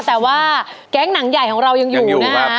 แต่ว่าแก๊งหนังใหญ่ของเรายังอยู่นะฮะ